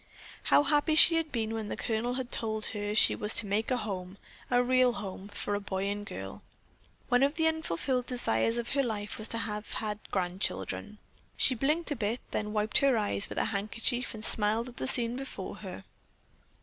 How happy she had been when the Colonel had told her she was to make a home, a real home, for a boy and girl. One of the unfulfilled desires of her life was to have had grandchildren. She blinked a bit, then wiped her eyes with her handkerchief and smiled at the scene before her.